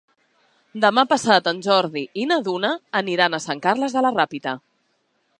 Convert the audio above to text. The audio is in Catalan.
Demà passat en Jordi i na Duna aniran a Sant Carles de la Ràpita.